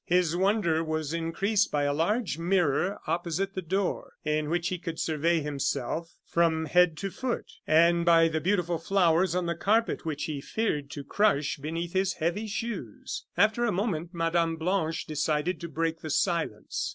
His wonder was increased by a large mirror opposite the door, in which he could survey himself from head to foot, and by the beautiful flowers on the carpet, which he feared to crush beneath his heavy shoes. After a moment, Mme. Blanche decided to break the silence.